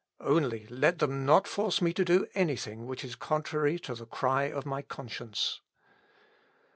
Only let them not force me to do anything which is contrary to the cry of my conscience."